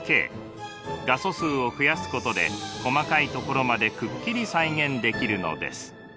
画素数を増やすことで細かい所までくっきり再現できるのです。